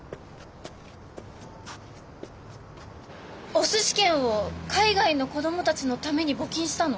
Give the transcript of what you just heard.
お寿司券を海外の子どもたちのために募金したの？